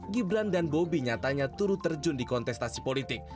gibran dan bobi nyatanya turut terjun di kontestasi politik